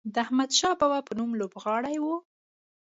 د احمدشاه بابا په نوم لوبغالی و.